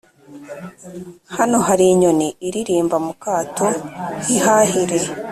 hano hari inyoni iririmba mu kato, ntihari?